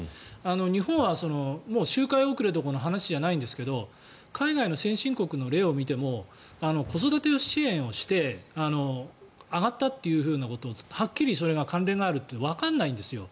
日本は周回遅れどころの話じゃないんですが海外の先進国の例を見ても子育て支援をして上がったということはっきり、それが関連があるとはわからないんですよ。